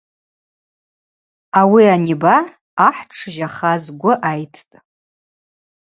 Ауи аниба ахӏ дшжьахаз гвы айттӏ.